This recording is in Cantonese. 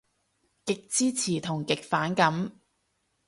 極支持同極反感